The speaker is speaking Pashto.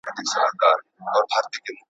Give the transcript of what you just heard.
ماشوم مشاهده کړې وه او تعليم پياوړی سوی و.